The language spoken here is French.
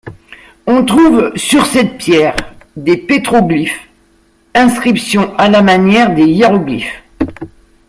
On trouve sur cette pierre des pétroglyphes, inscriptions à la manière des hiéroglyphes.